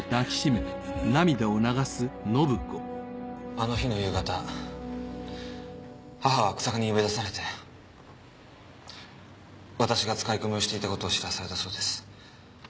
あの日の夕方母は日下に呼び出されて私が使い込みをしていたことを知らされたそうです。